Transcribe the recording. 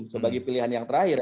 sebagai pilihan yang terakhir